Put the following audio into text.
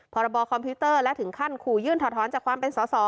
พรบคอมพิวเตอร์และถึงขั้นขู่ยื่นถอดท้อนจากความเป็นสอสอ